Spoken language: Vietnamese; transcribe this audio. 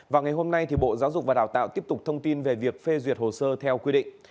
và ngày hôm nay bộ giáo dục và đào tạo tiếp tục thông tin về việc phê duyệt hồ sơ theo quy định